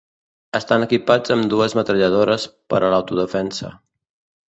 Estan equipats amb dues metralladores per a l'autodefensa.